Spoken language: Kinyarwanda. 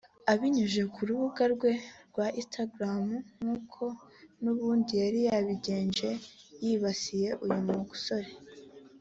Abinyujije ku rukuta rwe rwa Instagram nkuko n’ubundi yari yabigenje yibasira uyu musore